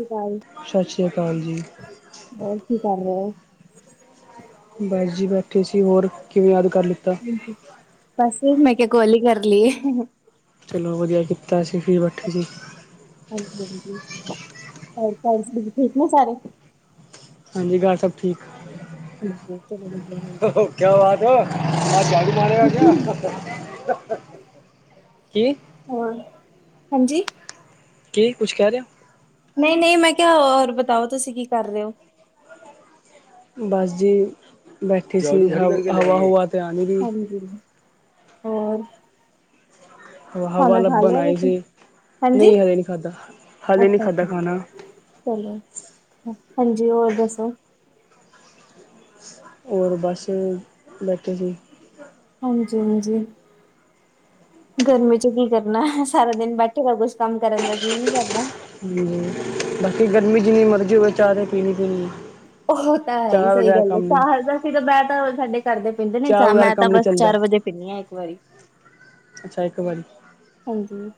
ਸਤਿ ਸ਼੍ਰੀ ਅਕਾਲ, ਸਤਿ ਸ੍ਰੀ ਅਕਾਲ ਜੀ। ਹੋਰ ਕੀ ਕਰ ਲ ਰਹੇ ਓ। ਬਸ ਜੀ ਬੈਠੇ ਸੀ ਹੋਰ ਕਿਵੇਂ ਯਾਦ ਕਰ ਲਿੱਤਾ। ਬਸ ਮੈਂ ਕਿਹਾ ਕਾਲ ਹੀ ਕਰ ਲਈਏ। ਚਲੋ ਵਧੀਆ ਕੀਤਾ ਅਸੀਂ ਫਿਰ ਬੈਠੇ ਸੀ। ਹਾਂਜੀ ਹਾਂ ਠੀਕ ਨੇ ਸਾਰੇ ਹਾਂਜੀ ਘਰ ਸਭ ਠੀਕ [inaudible] ਕਿਆ ਬਾਤ ਹੋ ਆ ਜਾੜੂ ਮਾਰੇਗਾ ਕਿਹਾ ਕੀ ਹਾਂ ਹਾਂਜੀ ਕੀ ਕੁਛ ਕਹਿ ਰਹੇ ਹੋ। ਨਹੀਂ -ਨਹੀਂ ਮੈਂ ਕਿਹਾ ਹੋਰ ਬਤਾਓ ਤੁਸੀਂ ਕੀ ਕਰ ਰਹੇ ਓ। ਬੱਸ ਜੀ ਬੈਠੀ ਸੀ ਹਵਾ ਹੁਵਾ ਤੇ ਆਂਦੀ ਨੀ, ਹਾਂਜੀ। ਹੋਰ ਹਵਾ, ਖਾਣਾ ਖਾ ਲੱਭਣ ਲਿਆ ਆਈ ਤੁਸੀਂ? ਸੀ। ਹਾਂਜੀ ਨਹੀਂ ਹਲੇੇ ਨੀ ਖਾਧਾ, ਹਾਲੇ ਨਹੀਂ ਅੱਛਾ ਖਾਧਾ ਅੱਛਾ। ਖਾਣਾ। ਚਲੋ, ਹਾਂਜੀ, ਹੋਰ ਦੱਸੋ? ਹੋਰ ਬਸ, ਬੈਠੇ ਸੀ। ਹਾਂਜੀ- ਹਾਂਜੀ ਗਰਮੀ ਚ, ਕੀ ਕਰਨਾ ਏ। ਸਾਰਾ ਦਿਨ ਬੈਠੀ ਦਾ, ਬਸ ਕੁਛ ਕੰਮ ਕਰਨ, ਦਾ ਜੀਅ ਨੀ ਕਰਦਾ। ਹੂੰ, ਬਾਕੀ ਗਰਮੀ, ਜਿੰਨੀ ਮਰਜ਼ੀ ਹੋਵੇ। ਚਾਹ ਤੇ ਪੀਣੀ- ਪੀਣੀ ਆ। ਉਹ ਤਾਂ ਹੈ ਹੀ। ਸਹੀ ਗੱਲ ਹੈ। ਚਾਹ ਤਾਂ ਮੈਂ ਤਾਂ ਸਾਡੇ ਘਰਦੇ ਪੈਂਦੇ ਨੇ ਚਾਹ। ਬਗੈਰ ਮੈਂ ਕੰਮ ਤਾਂ ਨਹੀਂ ਬਸ ਚੱਲਦਾ। ਚਾਰ ਵਜੇ, ਪੀਣੀ ਆ। ਇੱਕ ਵਾਰੀ। ਅੱਛਾ, ਇੱਕ ਵਾਰੀ। ਹਾਂਜੀ।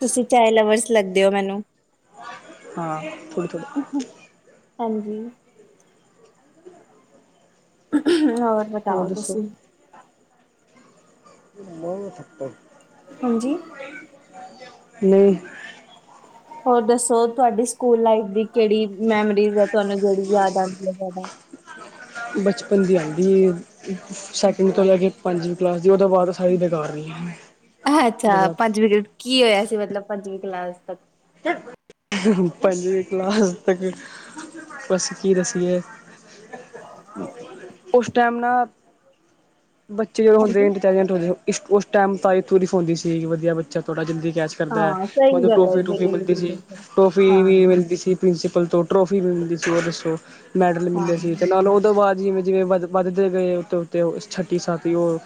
ਤੁਸੀਂ ਚਾਇ ਲਵਰਸ, ਲੱਗਦੇ ਹੋ, ਮੈਨੂੰ। ਹਾਂ, ਥੋੜੀ- ਥੋੜੀ। ਹਾਂਜੀ। ਹੋਰ ਬਤਾਓ ਤੁਸੀਂ? ਹੋਰ ਦੱਸੋ? ਹਾਂਜੀ। ਨਹੀਂ। ਹੋਰ ਦੱਸੋ? ਤੁਹਾਡੀ ਸਕੂਲ ਲਾਈਫ, ਦੀ ਕਿਹੜੀ ਮੈਮੋਰੀਜ਼ ਆ। ਤੁਹਾਨੂੰ ਬਹੁਤ ਜਿਹੜੀ, ਯਾਦ ਆਉਂਦੀ ਆ ਜਿਆਦਾ। ਬਚਪਨ ਦੀ ਆਉਂਦੀ। ਸੈਕਿੰਡ ਤੋਂ ਅੱਛਾ। ਲੈ ਕੇ ਪੰਜੁ। ਕਲਾਸ ਦੀ। ਉਹ ਤੋਂ ਬਾਅਦ ਸਾਰੀ ਬੇਕਾਰ ਰਹੀਂਆਂ, ਹਨ। ਉਹ ਤੋਂ ਅੱਛਾ ਬਾਅਦ। ਪੰਜਵੀਂ ਗ੍ਰੇਡ ਕੀ ਹੋਇਆ ਸੀ? ਮਤਲਬ ਪੰਜਵੀਂ ਕਲਾਸ। ਪੰਜਵੀਂ, ਕਲਾਸ ਤੱਕ। ਬਸ ਕੀ ਦੱਸੀਏ, ਉਸ ਟਾਈਮ ਨਾ। ਬੱਚੇ ਜਦੋਂ ਹੁੰਦੇ ਹਾਂਜੀ। ਇਨਟੈਲੀਜੈਂਟ, ਹੁੰਦੇ। ਉਸ ਟਾਈਮ ਤ ਤੂਰੀਫ਼ ਹੁੰਦੀ ਸੀਗੀ। ਵਧੀਆ ਬੱਚਾ ਤੁਹਾਡਾ, [unintelligible] ਜ਼ਿੰਦ ਕਹਿਚ ਕਰਦਾ ਹੈ। ਹਾਂ ਸਹੀ ਮਤਲਬ ਗੱਲ ਹੈ ਟੋਫੀ- ਟੁਫੀ ਮਿਲਦੀ ਬਿਲਕੁਲ ਸਹੀ ਸੀ। ਗੱਲ। ਟੋਫੀ ਹਾਂ ਵੀ ਮਿਲਦੀ ਸੀ। ਪ੍ਰਿੰਸੀਪਲ ਤੋਂ, ਟਰੋਫੀ ਮਿਲਦੀ ਸੀ। ਉਹ ਦੱਸੋ ਮੈਡਲ ਮਿਲਦੇ ਹਾਂ। ਸੀ। ਤੇ ਨਾਲੋ ਉਹਦੇ ਬਾਅਦ। ਜਿਵੇਂ- ਜਿਵੇਂ, ਵ ਵੱਦ ਦੇ ਗਏ। ਉੱਤੇ- ਉੱਤੇ। ਛੱਟੀ, ਸਤਵੀ ਉਹ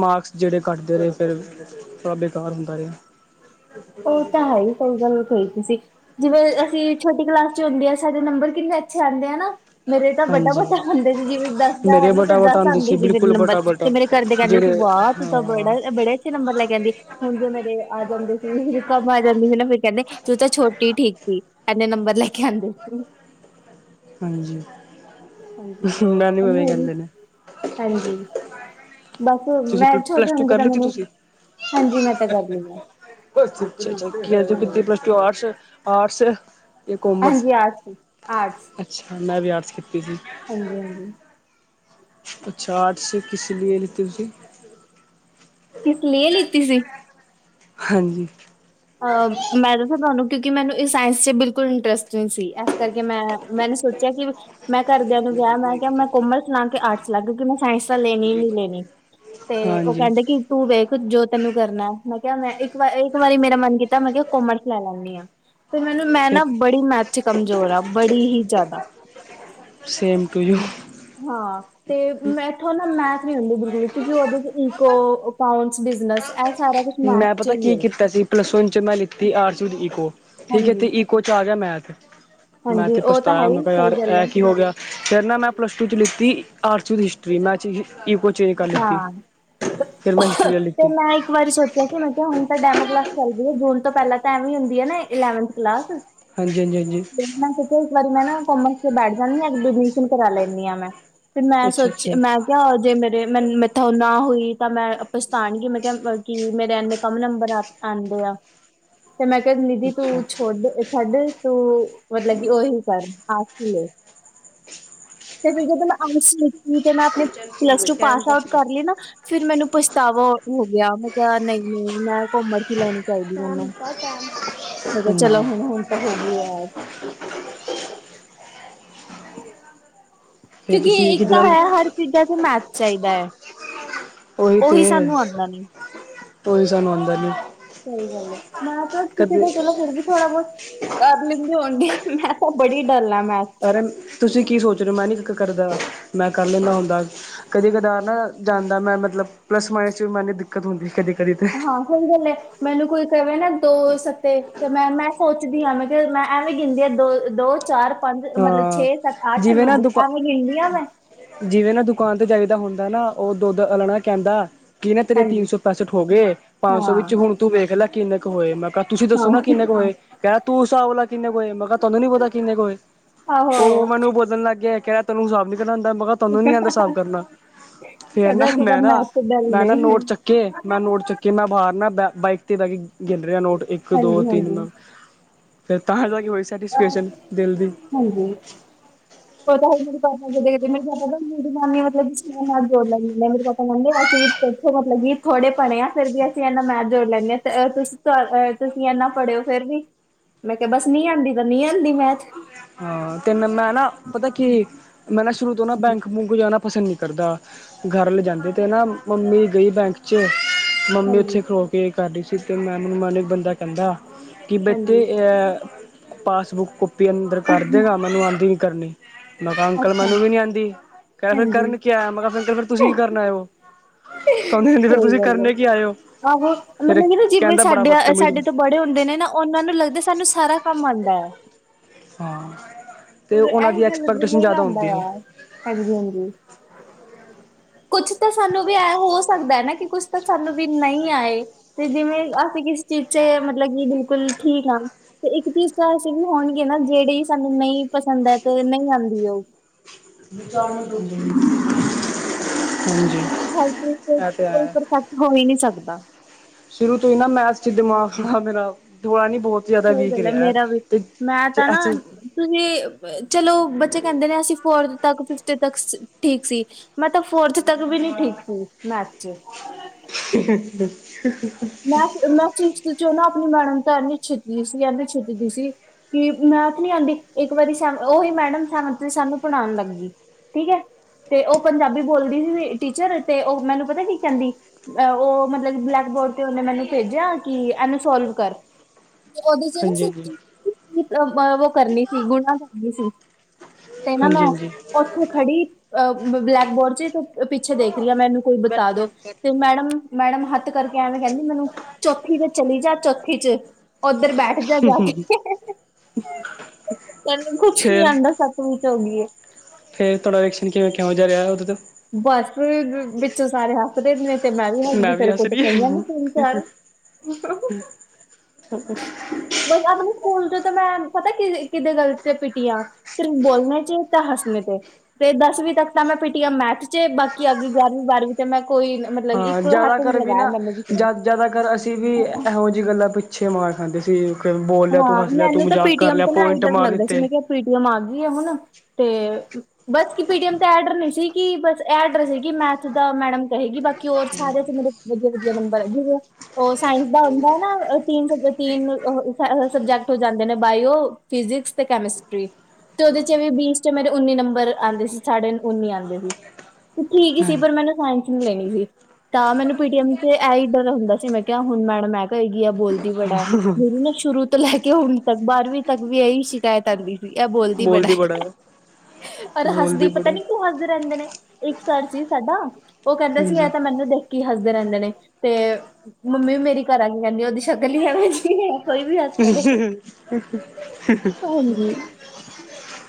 ਮਾਕਸ ਜਿਹੜੇ ਘੱਟਦੇ ਰਹੇ। ਫੇਰ ਥੋੜਾ, ਬੇਕਾਰ ਹੁੰਦਾ ਰਿਹਾ। ਉਹ ਤਾਂ, ਹੈ ਹੀ। ਸਹੀ ਗੱਲ, ਕਹੀ ਤੁਸੀਂ। ਜਿਵੇਂ ਅਸੀਂ, ਛੋਟੀ ਕਲਾਸ ਚ, ਹੁੰਦੇ ਆ। ਸਾਡੇ ਨੰਬਰ ਕਿੰਨੇ ਅੱਛੇ, ਆਉਂਦੇ ਆ ਨਾ। ਮੇਰੇ ਤਾਂ, ਬਟਾ- ਹਾਂਜੀ ਬਟਾ, ਆਉਂਦੇ ਸੀ। ਜਿਵੇਂ ਦੱਸ ਦਾ ਹੈ, ਮੇਰੇ ਨਾ ਤੇ ਬਟਾ ਬਟਾ ਦੱਸ ਹੁੰਦੇ ਆਉਂਦੇ ਸੀ। ਮੇਰੇ ਬਿਲਕੁਲ ਨੰਬਰ ਬਟਾ ਚ। ਤੇ ਬਟਾ ਮੇਰੇ, ਘਰਦੇ ਕਹਿੰਦੇ ਸੀ। ਜਿਹੜੇ ਵਾਹ ਤੂੰ ਤਾਂ, ਹਾਂ ਬੜਾ ਬੜੇ ਅੱਛੇ, ਨੰਬਰ ਲੈ ਆਉਂਦੀ। ਹੁਣ ਜੇ ਮੇਰੇ ਆ ਜਾਂਦੇ। ਕਮ ਆ ਜਾਂਦੀ ਸੀ। ਨਾ ਫੇਰ ਕਹਿੰਦੇ, ਤੂੰ ਤਾਂ ਛੋਟੀ ਠੀਕ ਸੀ। ਇੰਨੇ ਨੰਬਰ ਲੈ ਕੇ ਆਉਂਦੇ ਸੀ ਹਾਂਜੀ। ਹਾਂਜੀ [unintelligible] ਨਾਨੀ ਭਵੇਂ ਮੇਰੀ ਕਹਿੰਦੇ ਨੇ ਹਾਂਜੀ। ਬਸ ਤੁਸੀਂ ਮੈਂ, ਪਲੱਸ ਛੋਟੇ ਟੂ ਹੁੰਦੇ ਕਰ ਤਾਂ। ਲਿੱਤੀ ਮੈਨੂੰ ਤੁਸੀਂ ਹਾਂਜੀ, ਮੈਂ ਤਾਂ ਕਰਦੀ ਰਹੀ ਆ। ਅਛਾ- ਅਛਾ, [unintelligible] ਅੱਾ ਹਾਂਜੀ ਪਲਸ ਟੂ ਆਰਟਸ- ਆਰਟਸ। ਤੇ ਕੋਮਰਸ, ਹਾਂਜੀ ਆਰਟਸ ਆਰਟਸ ਅੱਛਾ ਮੈਂ ਵੀ, ਆਰਟਸ ਕੀਤੀ ਸੀ। ਹਾਂਜੀ- ਹਾਂਜੀ। ਅੱਛਾ, ਆਰਟਸ ਕਿਸ ਲਿਏ, ਲਿਤੀ ਤੁਸੀਂ? ਕਿਸ ਲਿਏ, ਲਿੱਤੀ ਸੀ! ਹਾਂਜੀ। ਅ ਮੈਂ ਦੱਸਾਂ ਤੁਹਾਨੂੰ, ਕਿਉਂਕਿ ਮੈਨੂੰ, ਇਹ ਸਾਇੰਸ ਚ, ਬਿਲਕੁਲ ਇੰਟਰਸਟ ਨਹੀਂ ਸੀ। ਇਸ ਕਰਕੇ ਮੈਂ ਮੈਨੇ ਸੋਚਿਆ ਕਿ ਮੈਂ ਘਰਦਿਆਂ ਨੂੰ ਕਿਆ। ਮੈਂ ਕਿਹਾ, ਮੈਂ ਕੋਮਰਸ ਲਾ, ਕੇ ਆਰਟਸ ਲਾ। ਕਿਉਂਕਿ ਮੈਂ ਸਾਇੰਸ ਤਾਂ, ਲੈਣੀ ਹੀ ਨਹੀਂ ਲੈਣੀ। ਤੇ ਉਹ ਹਾਂਜੀ ਕਹਿੰਦੇ, ਕਿ ਤੂੰ ਵੇਖ, ਜੋ ਤੈਨੂੰ ਕਰਨਾ। ਮੈਂ ਕਿਹਾ, ਮੈਂ ਇੱਕ ਵਾਰ। ਇੱਕ ਵਾਰੀ ਮੇ ਮਨ ਕੀਤਾ, ਮੈਂ ਕਿਹਾ ਕੋਮਰਸ ਲੈ ਲੈਂਦੀ ਆ। ਫੇਰ ਮੈਨੂੰ ਮੈਂ ਫਿਰ ਨਾ ਬੜੀ ਮੈਥ ਚ ਕਮਜ਼ੋਰ ਆ। ਬੜੀ ਹੀ ਜ਼ਿਆਦਾ। Same to, you. ਹਾਂ। ਤੇ ਮੈਂਥੋ ਨਾ, ਮੈ। ਨੀ ਹੁੰਦੀ ਬਿਲਕੁਲ। ਕਿਉਂਕਿ ਉਹਦੇ ਚ ਇਕੋ, ਅਕਾਊਂਟਸ, ਬਿਜਨਸ ਹੈ। ਮੈਂ ਪਤਾ ਕੀ ਕੀਤਾ ਸੀ। ਪਲੱਸ ਵਨ ਚ, ਮੈਂ ਲਿੱਤੀ ਆਰਟਸ ਵਿਦ ਇਕੋ, ਠੀਕ ਹੈ ਹਾਂਜੀ ਤੇ ਕੁਛ ਆ ਗਿਆ ਮੈਥ। ਮੈਂ ਹਾਂਜੀ ਤੇ ਉਹ ਤਾਂ ਹੈ ਪਛਤਾਇਆ, ਮੈਂ ਹੀ ਕਿਹਾ ਸਹੀ ਯਾਰ, ਗੱਲ ਹੈ ਇਹ ਕੀ ਹੋ ਗਿਆ। ਕੈਂਦਾ ਮੈਂ ਪਲੱਸ ਟੂ ਚ ਲਿੱਤੀ ਆਟਸ ਵਿੱਦ ਹਿਸਟਰੀ [unintelligible] ਈਕੋ ਚੇਂਜ ਕਾੱਰ ਲਿਤੀ, ਹਾਂ ਫੇਰ ਮੈਂ ਹਿਸਟਰੀ ਲੇ ਲਿਤੀ ਸੋਚੇਆ ਸੀ ਮੈਂ ਕੇਆ ਹੁਨ ਤਾਂ ਡੈਮੋ ਕਲਾਸ ਚੱਲਦੀ ਏ, ਜੂਨ ਤੋਂ ਪੈਲਾਂ ਤਾ ਐਵੇਂ ਈ ਹੁੰਦੀ ਏ ਨਾ ਇਲੇਵਂਥ ਕਲਾਸ ਹਾਂਜੀ, ਹਾਂਜੀ, ਹਾਂਜੀ। ਮੈਂ ਸੋਚੇਆ ਇਸ ਵਾਰੀ ਮੈਂ ਨਾ ਕੋਮਰਸ ਚ ਬੈਠ ਜਾਂਨੀ ਆ, ਐਡਮਿਸ਼ਨ ਕਰਾ ਲੈਂਨੀ ਆਂ ਮੈਂ ਫਿਰ ਮੈਂ ਅੱਛਾ ਸੋਚ ਅੱਛਾ ਮੈਂ ਕੇਆ ਜੇ ਮੇ ਮੇਨ ਮੈਥੋ ਨਾ ਹੋਈ ਤਾਂ ਮੈਂ ਪਛਤਾਨਗੀ ਮੈਂ ਕੇਆ ਕਿ ਮੇਰੇ ਏਨ ਕੰਮ ਨੰਬਰ ਆ ਆਂਦੇ ਆ, ਤੇ ਮੈਂ ਕੇਆ ਨਿਧੀ ਅੱਛਾ ਤੁ ਛੋਡ, ਛੱਡ ਤੂ ਮਤਲਕੀ ਓਹੀ ਕਾੱਰ ਆਖ਼ਰੀ ਏ। ਤੇ ਫੇਰ ਜਦੋਂ ਮੈਂ ਆਟਸ ਲੀ ਲਈ [unintelligible] ਨਾ ਫਿਰ ਮੈਨੂੰ ਪਛਤਾਵਾ ਹੋਗੇਆ, ਮੈਂ ਕੇਆ ਨਈ, ਨੀ ਮੈਂ ਨਾ ਕੋਰਸ ਈ ਲੈਣੀ ਚਾਈਦੀ ਮੈਨੂੰ, ਮੈ ਕੇਆ ਚਲੋ ਹਾਂਜੀ ਹੁਣ, ਹੁਣ ਤਾ ਹੋਗੇਆ। ਤੇ ਕਯੂਕਿ ਤੁਸੀਂ ਇੱਕ ਕਿਹਦੇ ਤਾਂ ਨਾਲ ਹੈ ਹਰ ਚੀਜ਼ਾਂ ਚ ਮੈਥ ਚਾਈਦਾ ਐ। ਓਈ ਤੇ, ਨੀ ਓਈ ਸਾਨੂੰ ਆਂਦਾ ਨੀ। ਸਈ ਗੱਲ ਏ, ਮੈਂ ਤੁਸੀਂ ਕਦੇ ਤਾ ਚਲੋ ਫੇਰ ਵੀ ਥੋੜਾ ਬੋਤ ਕਾੱਰ ਲਿਂਦੀ ਹੋਨਗੇ, ਮੈਂ ਤਾਂ ਬੜੀ ਡੱਲ ਮੈਂਥ ਅਰੇ ਤੁਸੀ ਕੀ ਸੋਚ ਰੇਓ ਮੈਂ ਨੀ ਕਰਦਾ, ਮੈਂ ਕਰ ਲੈਂਨਾ ਹੁੰਦਾ। ਕਦੀ ਕਦਾਰ ਨਾ ਜਾਂਦਾ ਮੈਂ ਮੱਤਲਬ ਪਲੱਸ ਮਾਇਨਸ ਚ ਵੀ ਮੈਨ ਦਿੱਕਤ ਹੁੰਦੀ ਕਦੇ, ਕਦੇ ਤੇ ਓਈ ਗੱਲ ਏ, ਮੈਨੂੰ ਕੋਈ ਕਵੇ ਨਾ ਦੋ ਸੱਤੇ ਤੇ ਮੈਂ, ਮੈਂ ਸੋਚਦੀ ਆਂ, ਮੈਂ ਫੇਰ ਮੈਂ ਐਵੇਂ ਗਿਨਦੀ ਆਂ। ਦੋ, ਦੋ ਚਾਰ ਪਾੰਜ ਮੱਤਲਬ ਹਾਂ ਛੇ, ਸਾੱਤ, ਆੱਠ, ਜਿਵੇਂ ਨੋ, ਨਾ ਦੇ ਦੁਕਾ ਐਵੇਂ ਗਿਨਦੀ ਆਂ, ਮੈਂ ਜਿਵੇਂ ਨਾ ਦੁਕਾਨ ਤੇ ਜਾਈਦਾ ਹੁੰਦਾ ਨਾ, ਓ ਦੋਧ ਆਲਾ ਨਾ ਕੈਂਦਾ। ਕਿ ਨਾ ਤੇਰੇ ਤਿੰਨ ਹਾਂਜੀ ਸੋ ਪੈਸਂਠ ਹੋਗੇ, ਹਾਂ ਪਾੰਸੋ ਵਿੱਚ ਹੁਣ ਤੂੰ ਵੇਖ ਲੇ ਕਿੰਨੇ ਕੁ ਹੋਏ, ਮੈਂ ਕਾ ਤੁਸੀਂ ਹਾਂ ਦੱਸੋ ਨਾ ਆਹੋ ਕਿੰਨੇ ਕੁ ਹੋਏ, ਕੈ ਤੂੰ ਹਿਸਾਬ ਲਾ ਕਿਨੇ ਕੁ ਹੋਏ, ਮੈਂ ਕਾ ਤਾਨੂੰ ਨੀ ਪਤਾ ਕਿੰਨੇ ਕੁ ਹੋਏ। ਓ ਆਹੋ ਮੈਨੂੰ ਬੋਲਨ ਲੱਗ ਗੇਆ ਕੈਆ ਤੈਨੂੰ ਸਾੱਬ ਨੀ ਦੇਨਾ ਆਂਦਾਂ, ਮੈਂ ਕ ਤਾਨੂੰ ਨੀ ਆਂਦਾ ਸਾਬ ਕਰਨਾ, ਫੇਰ ਨਾ ਕਦੇ ਅਸੀਂ ਤਾਂ ਮੈਂ ਨਾ, ਮੈਥ ਦੇ ਡਰ ਮੈਂ ਨਾ ਗਏ ਨੋਟ ਹਾਂ ਚੱਕੇ ਮੈਂ ਨੋਟ ਚੱਕੇ ਮੈਂ ਬਾਹਰ ਨਾ ਬਾ ਬਾਈਕ ਤੇ ਬੈਕੇ ਗਿਣ ਰੇਆ ਨੋਟ, ਇੱਕ, ਦੋ, ਹਾਂਜੀ ਤਿੰਨ, ਹਾਂਜੀ ਮੈਂ ਫੇਰ ਤਾਂ ਜਾ ਕੇ ਹੋਈ ਸੈਟੀਸਫੈਸ਼ਨ, ਦਿਲ ਦੀ [unintelligible] ਓਥੇ ਮਤਲਬ ਕਿ ਥੋੜੇ ਪੜੇ ਆ ਫੇਰ ਵੀ ਅਸੀ ਐਨਾ ਮੈਥ ਜੋੜ ਲੈਂਨੇ ਆ, ਅ ਤੁਸੀ [unintelligible] ਤੁਸੀ ਐਨਾ ਪੜੇ ਓ ਫੇਰ ਵੀ, ਮੈਂ ਕੇਆ ਬੱਸ ਨੀ ਆਂਦੀ ਤਾ ਨੀ ਆਂਦੀ ਮੈਥ। ਹਾਂ, ਤੇੈਨ ਮੈਂ ਨਾ ਪਤਾ ਕੀ, ਮੈਂ ਨਾ ਸ਼ੁਰੂ ਤੋ ਨਾ ਬੈਂਕ, ਬੂਂਕ ਜਾਨਾ ਪਸੰਦ ਨੀ ਕਰਦਾ, ਘੱਰ ਲਜਾਂਦੇ ਤੇ ਨਾ ਮੰਮੀ ਗਈ ਬੈਂਕ ਚ ਮੰਮੀ ਹਾਂਜੀ ਉੱਥੇ ਖਲੋ ਕੇ ਕਰ ਰੀ ਸੀ, ਤੇ ਮੈਂ ਮਮਾ ਨੂੰ ਏਕਦਮ ਜਾਕੇ ਕੈਂਦਾ, ਕਿ ਬੇਟੇ ਹਾਂਜੀ ਏਐ ਪਾਸਬੁੱਕ ਕੋਪੀ ਅੰਦਰ ਕਰਦੇਗਾ। ਮੈਨੂੰ ਆਂਦੀ ਨੀ ਕਰਨੀ। ਮੈਂ ਕਾ ਅੰਕਲ ਅੱਛਾ ਮੈਨੂੰ ਵੀ ਨੀ ਆਂਦੀ, ਕੈਹ ਫੇਰ ਹਾਂਜੀ ਕਰਨ ਕੀ ਆਯਾ ਮੈਂ ਕਾ ਫੇਰ ਅੰਕਲ ਫੇਰ ਤੁਸੀ ਕੀ ਕਰਨ ਆਏ ਓ। [unintelligible] ਸਹੀ ਤੁਸੀ ਗੱਲ ਹੈ ਕਰਨ ਕੀ ਆਏ ਓ। ਆਹੋ ਮਤਲਬ ਕੀ ਨਾ ਜਿਵੇਂ ਸਾਡੇ ਆ, ਸਾਡੇ ਤੋ ਬੜੇ ਹੁੰਦੇ ਨੇ ਨਾ ਓਨਾਂ ਨੂੰ ਲੱਗਦਾ ਸਾਨੂੰ ਸਾਰਾ ਕੰਮ ਆਂਦਾ। ਹਾਂ, ਤੇ ਓਨਾਂ ਦੀ ਐਕਸਪਰ ਤੇ ਨਈ ਆਂਦਾ ਯਾਰ। ਹਾਂਜੀ, ਹਾਂਜੀ। ਕੁੱਛ ਤਾਂ ਸਾਨੂੰ ਵੀ ਐਂ ਹੋ ਸਕਦਾ ਨਾ, ਕੀ ਕੁੱਛ ਤਾ ਸਾਨੂੰ ਵੀ ਨਈ ਆਏ। ਤੇ ਜਿਵੇਂ ਅਸੀ ਕਿਸੀ ਚੀਜ਼ ਚ ਮੱਤਲਬ ਕਿ ਬਿਲਕੁੱਲ ਠੀਕ ਹਾਂ। ਤੇ ਇੱਕ ਚੀਜ਼ ਤਾਂ ਐਸੀ ਵੀ ਹੋਣਗੇ ਨਾ, ਜੇੜੀ ਸਾਨੂੰ ਨਈ ਪਸੰਦ ਐ ਤੇ ਨਈ ਆਂਦੀ ਓ। [unintelligible] ਹਾਂਜੀ। ਹੇਲਪ ਲਈ ਕੋਈ, ਇਹ ਤੇ ਕੋਈ ਹੈ। ਪਰਫੈਕਟ ਹੋ ਹੀ ਨੀ ਸਕਦਾ। ਸ਼ੁਰੂ ਤੋਂ ਨਾ ਮੈਥ ਚ ਦਿਮਾਗ ਹਾਂ ਮੇਰਾ, ਵਾਨੀ ਬੋਤ ਸਈ ਗੱਲ ਐ ਮੇਰਾ ਵੀ, ਮੈਂ ਤਾ ਨਾ ਅੱਛਾ ਤੁਸੀਂ ਚਲੋ ਬੱਚੇ ਕਹਿੰਦੇ ਨੇ ਅਸੀਂ ਫੋਰਥ ਤੱਕ ਫਿਫਥ ਤੱਕ ਠੀਕ ਸੀ ਮੈਂ ਤਾਂ ਫੋਰਥ ਤੱਕ ਵੀ ਨੀ ਠੀਕ ਸੀ ਮੈਥ ਚੱ [unintelligible] ਹਹਹ ਮੈਂ ਫਿਫਤ ਚੱ ਆਪਣੀ ਮੈਡਮ ਤਾਂ ਇੰਨੀ ਛਿੱੱਤਦੀ ਸੀ ਐਨੀ ਛਿੱਤਦੀ ਸੀ ਕੀ ਮੈਥ ਨੀ ਆਉਂਦੀ ਇੱਕ ਵਾਰੀ ਸਾਨੁੰ ਉਹੀ ਮੈਡਮ ਸਾਨੂੰ ਪੜ੍ਹਾਉਣ ਲੱਗ ਗਈ ਠੀਕ ਹੈ ਤੇ ਉਹ ਪੰਜਾਬੀ ਬੋਲਦੀ ਸੀ ਟੀਚਰ ਤੇ ਉਹ ਮੈਨੂੰ ਪਤਾ ਕੀ ਕਹਿੰਦੀ ਅਆ ਉਹ ਮੱਤਲਬ ਬਲੈਕਬੋਰਡ ਤੇ ਉਹਨੇ ਮੈਨੂੰ ਭੇਜਿਆ ਕਿ ਇਹਨੂੰ ਸੋਲਵ ਕਰ ਉਹਦੇ ਚੱ ਹਾਂਜੀ ਨਾ ਹਾਂਜੀ ਉਹ ਕਰਨੀ ਸੀ ਗੁਣਾ ਕਰਨੀ ਸੀ ਤੇ ਨਾ ਮੈਂ ਹਾਂਜੀ ਹਾਂਜੀ ਉੱਥੇ ਖੜੀ ਅਹ ਬਲੈਕ ਬੋਰਡ ਚੱ ਉਹ ਪਿੱਛੇ ਦੇਖ ਰਹੀ ਆ ਮੈਨੂੰ ਕੋਈ ਬੱਤਾ ਦੋ ਤੇ ਮੈਡਮ ਮੈਡਮ ਹੱਥ ਕਰਕੇ ਮੇਡਮ ਕਹਿੰਦੀ ਮੈਨੂੰ ਚੌਥੀ ਵਿੱਚ ਚਲੀ ਜਾ ਚੌਥੀ ਚੱ ਉੱਧਰ ਬੈਠ ਜਾ ਜਾ ਕੇ ਤੈਨੂੰ ਕੁੱਛ ਨੀ ਫੇਰ ਆਉਂਦਾ ਸੱਭ ਚ ਹੋ ਗਈਏ [unintelligible] ਫੇਰ ਤੁਹਾਡਾ ਐਕਸ਼ਨ ਕਿਵੇ, ਕੇਹੋਜਾ ਰਿਹਾ ਉਹਦੇ ਤੋ। ਬਸ ਵੇ ਵਿੱਚ, ਸਾਰੇ ਹੱਸਦੇਿੰਦੇ, ਨੇ ਤੇ ਮੈਂ ਵੀ ਹਸਦੀ, ਫਿਰ ਹੱਸ ਕੁਟ ਰਹੀ ਪਈਆਂ ਨੀ ਹਾਂ ਤਿੰਨ ਚਾਰ, ਹੂੰ, ਹੂੰ ਬਸ ਆਪਣੇ ਸਕੂਲ ਤੇ ਤਾਂ, ਮੈਂ ਪਤਾ ਕਿਦੇ ਗੱਲ ਤੇ ਪਿਟੀ ਆ, ਫਿਰ ਬੋਲਣੇ ਚੇ ਤਾਂ ਹੱਸਣੇ ਤੇ, ਤੇ ਦਸਵੀਂ ਤੱਕ ਤਾਂ ਮੈਂ ਪੀਟੀ ਹਾ ਮੈਥ ਚੇ ਬਾਕੀ ਅਗਲੀ ਗਿਆਰਵੀਂ ਬਾਰਵੀਂ ਤੇੇ ਮੈਂ ਕੋਈ, ਮਤਲਬ ਹਾਂ ਇੱਕ ਜਿਆਦਾ ਹੱਥ ਕਰ ਨੀ ਵੀ ਲਗਾਇਆ ਨਾ, ਮੈਨੂੰ ਕਿਸੇ ਜਿਆਦਾ, ਨੇ। ਜਿਆਦਾ ਕਰ ਅਸੀਂ ਵੀ ਇਹੋ ਜਿਹੀ ਗੱਲਾਂ ਪੁਿੱਛ ਅੱਛੇ ਮਾਰਕ ਆਂਦੇ ਸੀ, ਫਿਰ ਬੋਲ ਲਿਆ, ਤੂੰ ਹਾਂ ਹੱਸ ਲਿਆ, ਤੂੰ ਮਜ਼ਾਕ ਕਰ ਲਿਆ, ਪੁਆਇੰਟ ਮਾਰ ਦਿੱਤੇ। ਪੀ-ਟੀ-ਐੱਮ ਆ ਗਈ ਹੈ। ਹੁਣ, ਤੇ ਬਸ ਕੀ ਪੀ-ਟੀ-ਐੱਮ ਤੇ ਐਡ ਨ ਸੀ ਕਿ, ਬਸ ਇਹਡ ਸੀ ਮੈਥ ਦਾ ਮੈਡਮ ਕਹੇਗੀ ਬਾਕੀ ਕਿ ਹੋਰ ਸਾਰੇ, ਵਧਿਆ, ਵਧਿਆ ਨੰਬਰ ਹੇ ਜਿਵੇ, ਉਹ ਸਾਇੰਸ ਦਾ ਹੁੰਦਾ ਹੇ ਨਾ ਤਿੰਨ ਸੁਬਜੈਕਟ, ਤਿੰਨ, ਹੋ ਐਹੋ ਸੁਬਜੈਕਟ ਹੋ ਜਾਂਦੇ ਨੇ ਬਾਇਓ, ਫਿਜ਼ਿਕਸ ਤੇ ਕੈਮਿਸਟਰੀ। ਤੇ ਉਹਦੇ ਚ ਬੀਸ ਚ ਮੇਰੇ ਉੱਨੀ ਨੰਬਰ ਆਉਂਦੇ ਸੀ, ਸਾਡੇ ਉੱਨੀ ਆਉਂਦੇ ਸੀ। ਠੀਕ ਹੀ ਸੀ, ਪਰ ਮੈਨੂੰ ਸਾਇੰਸ ਲੈਣੀ ਸੀ, ਤਾਂ ਮੈਨੂੰ ਪੀ-ਟੀ-ਐੱਮ ਤੇ ਏਹੀ ਡਰ ਹੁੰਦਾ ਸੀ, ਮੈਂ ਕਿਹਾ ਹੁਣ ਮੈਡਮ ਐਹ ਕਹੇਗੀ ਇਹ ਬੋਲਦੀ, ਬੜਾ, ਮੇਰੀ ਨਾ ਸ਼ੁਰੂ ਤੋਂ ਲੈ ਕੇ ਹੁਣ ਤੱਕ, ਬਾਰਵੀਂ ਤੱਕ ਵੀ, ਏਹੀ ਸ਼ਿਕਾਇਤ ਆਂਦੀ। ਇਹ ਬੋਲਦੀ ਬੜਾ ਹੈ, ਤੇ ਪਰ ਹੱਸਦੀ ਬੋਲਦੀ ਬੜਾ ਪਤਾਨੀ ਕਿਉਂ ਹੱਸਦੇ ਰਹਿੰਦੇ ਨੇ। ਇੱਕ ਸਰ ਸੀ ਸਾਡਾ, ਉਹ ਕਹਿੰਦਾ ਸੀ ਇਹ ਹਾਂਜੀ ਤਾਂ ਮੈਨੂੰ ਦੇਖ ਕੀ ਹੱਸਦੇ ਰਹਿੰਦੇ ਨੇ। ਤੇ, ਮੰਮੀ ਵੀ ਮੇਰੀ ਘਰ ਆਕੇ ਕੇਹਿਂਦੀ ਨੇ ਕੀ ਉਹਦੀ ਸ਼ਕਲ ਹੀ ਐਹੋਜੀ ਹੈ। ਕੋਈ ਵੀ ਹੱਸ ਪੜ੍ਹੇ, ਹਾਂਜੀ।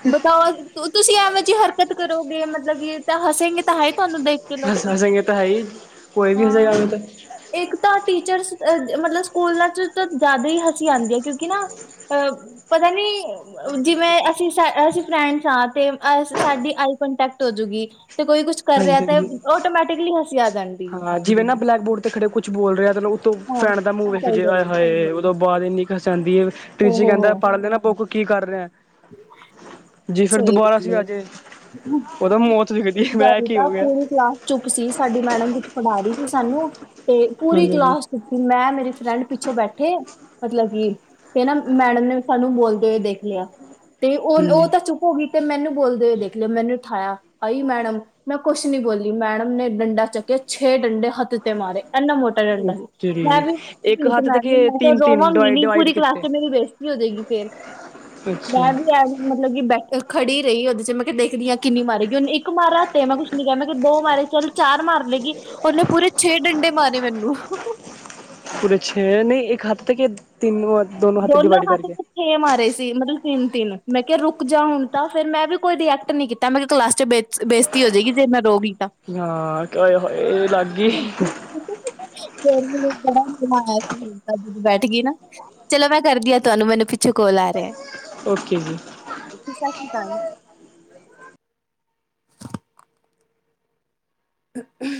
ਬਤਾੳ, ਤੁਸੀਂ ਐਵੇਂ ਜਿਹੀ ਹਰਕਤ ਕਰੋਗੇ, ਮਤਲਬ ਕੀ ਤਾਂ ਹਸੇਗੇ ਤਾਂ ਹੈ, ਹੀ ਤੁਹਾਨੂੰ ਦੇਖ ਕੇ ਲੋਕੀ, ਹੱਸਾਂਗੇ ਤਾਂ ਹੈ ਹੀ ਕੋਈ ਵੀ ਹਾਂ। ਹੱਸੇਗਾ ਤਾਂ ਇੱਕ ਤਾਂ ਟੀਚਰ, ਮਤਲਬ ਸਕੂਲਾਂ ਚ ਤਾਂ ਜਿਆਦਾ ਹੀ ਹਾੱਸੀ ਆਂਦੀ ਆ, ਕਿਉਂਕਿ ਨਾ, ਪਤਾ ਨਹੀ ਜਿਵੇਂ ਅਸੀਂ, ਸ ਅਸੀਂ ਫਰੈਂਡ ਚੈਟ ਤੇ ਸਾਡੀ ਆਈ ਕੋਂਟੈਕਟ ਹੋਜੂਗੀ, ਤੇ ਕੋਈ ਕੁਛ ਕਰ ਰਿਹਾ ਹਾਂਜੀ ਤੇ ਹਾਂਜੀ ਆਟੋਮੈਟਿਕ ਪਿੱਗਲੀ ਹਸੀਂ ਆਜਾਂਗੀ। ਹਾਂ ਜਿਵੇਂ ਨਾ ਬਲੈਕਬੋਰਡ ਤੇ ਖੜੇ ਕੁਛ ਬੋਲ ਰਿਹਾ, ਉਤੋਂ ਹਾਂ ਫੈਣ ਦਾ ਮੂਹ ਵਿਖ ਸਹੀ ਜਾਯੇ, ਆਏ ਗੱਲ ਹੈ ਹਾਏ। ਤੋਂ ਬਾਅਦ ਇੰਨੀ ਹਸਾਂਦੀ ਹੈ, ਉਹ ਤੀਜੀ ਹੋ ਹੋ ਕਹਿੰਦਾ ਪੜ੍ਹ ਲੈ ਨਾ ਪੂਕ ਕੀ ਕਰ ਰਿਹਾ। ਜੀ ਫਿਰ ਸਹੀ ਦੁਬਾਰਾ ਗੱਲ ਸੀ ਆਜੇ, ਹੈ ਉਹਦੋਂ ਮੌਤ ਦਿਖਦੀ, ਇਸ ਮੈਂ ਏਹ ਵਾਰੀ ਕੀ ਹੋ ਤਾਂ ਗਿਆ। ਪੂਰੀ ਕਲਾਸ ਚੁੱਪ ਸੀ, ਸਾਡੀ ਮੈਡਮ ਕੁਝ ਪੜ੍ਹਾ ਰਹੀ ਸੀ ਸਾਨੂੰ, ਤੇ ਪੂਰੀ ਹਾਂਜੀ ਹਾਂਜੀ। ਕਲਾਸ ਚੁੱਪ ਮੈਂ, ਮੇਰੀ ਫਰੈਂਡ ਪਿੱਛੋਂ ਬੈਠੇ, ਮਤਲਬ ਕਿ ਤੇ ਨਾ ਮੈਡਮ ਨੇ, ਸਾਨੂੰ ਬੋਲਦੇ ਹੋਏ ਦੇਖ ਲਿਆ। ਤੇ ਉਹ-ਉਹ ਹਾਂਜੀ। ਤਾਂ ਚੁੱਪ ਹੋ ਗਈ, ਤੇ ਮੈਨੂੰ ਬੋਲਦੇ, ਹੋਏ ਦੇਖ ਲਿਯਾ, ਮੈਨੂੰ ਉਠਾਇਆ ਆਈ ਮੈਡਮ ਮੈਂ ਕੁਛ ਨੀ ਬੋਲੀ, ਮੈਡਮ ਨੇ ਡੰਡਾ ਚੱਕਿਆ ਛੇ ਡੰਡੇ ਹੱਥ ਤੇ ਮਾਰੇ। ਇੰਨਾ ਮੋਟਾ ਡੰਡਾ ਉਹ ਸੀ, ਮੈਂ ਤੇਰੀ ਵੀ ਇੱਕ ਢੀਠ, ਹੱਥ ਮੈਂ ਤੇ ਕੇ ਕਿਹਾ ਤਿੰਨ ਤਿੰਨ ਰੋਵਾਂਗੀ ਡਿਵਾਈਡ ਨੀ ਡਿਵਾਈਡ ਪੂਰੀ ਕਲਾਸ ਕੀਤੇ। ਚ ਮੇਰੀ ਬੇਇੱਜ਼ਤੀ ਕੀ ਹੋਜੇਗੀ ਫੇਰ। ਅੱਛਾ ਮੈਂ ਵੀ, ਇਹ ਮਤਲੱਬ ਕੀ ਬੈਠ-ਖੜੀ ਰਹੀ, ਉਹਦੈ ਚ ਮੈਂ ਕਿਹਾ, ਦੇਖਦੀ ਹਾਂ ਕਿੰਨੀ ਮਾਰੇਗੀ, ਉਹਨੇ ਇੱਕ ਇੱਕ ਮਾਰਿਆ ਤੇ ਮੈਂ ਕੁਝ ਨਹੀਂ ਕਿਹਾ, ਮੈਂ ਕਿਹਾ, ਦੋ ਮਾਰੇ ਚੱਲ ਚਾਰ ਵੀ ਮਾਰ ਲੇਗੀ। ਉਹਨੇ ਪੂਰੇ ਛੇ, ਡੰਡੇ ਮਾਰੇ ਮੈਨੂੰ। ਪੁਰੇ ਛੇ ਨਹੀਂ ਇੱਕ ਹੱਥ ਤੇ ਕੇ ਤਿੰਨ ਵਾਰ ਦੋਨੋ ਹੱਥ ਤੇ ਛੇ ਮਾਰੇ ਸੀ, ਮਤਲਬ ਤਿੰਨ-ਤਿੰਨ, ਮੈਂ ਕਿਹਾ ਰੁਕ ਜਾ ਹੁਣ ਤਾਂ, ਫਿਰ ਮੈਂ ਵੀ ਕੋਈ ਰਿਐਕਟ ਨਹੀ ਕੀਤਾ, ਮੈਂ ਕਿਹਾ ਕਲਾਸ ਚ ਬੇਇੱਜ਼ਤੀ ਬੇਸਤੀ ਹੋ ਜਾਏਗੀ ਜੇ ਮੈਂ ਰੋ ਗਈ ਤਾਂ। ਹਾਂ, ਓਏ-ਹੋਏ ਲੱਗ ਗਈ। [unintelligible] ਬੈਠ ਗੀ ਨਾ। ਚਲੋ ਮੈਂ ਕਰਦੀ ਹਾਂ, ਤੁਹਾਨੂੰ ਮੈਨੂੰ ਪਿੱਛੋ ਕੋਲ ਆ ਰਿਹਾ। ਓਕੇ ਜੀ। ਓਕੇ, ਸਤਿ ਸੀ਼੍ ਅਕਾਲ। ਹਮਮ